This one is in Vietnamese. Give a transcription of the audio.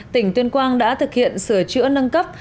tỉnh tuyên quang đã thực hiện sửa chữa nâng cấp